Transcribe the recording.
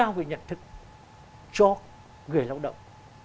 nâng cao cái nhận thức cho người lao động